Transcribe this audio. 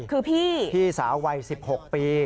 คือพี่พี่สาววัย๑๖ปี